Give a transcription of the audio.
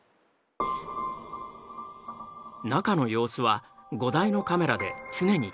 中の様子は５台のカメラで常に監視される。